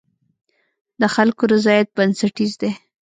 د خلکو رضایت بنسټیز دی.